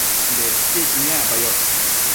bedquiequi niacpayoc